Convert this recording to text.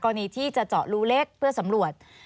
ที่จะเจาะรูเล็กเพื่อสำรวจ